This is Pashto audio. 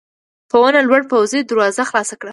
په ونه لوړ پوځي دروازه خلاصه کړه.